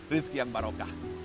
rizki yang barokah